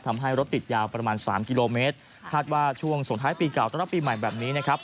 ทำให้รถติดยาวประมาณสามกิโลเมตรคาดว่าช่วงส่งท้ายปีเก่าต้อนรับปีใหม่แบบนี้นะครับ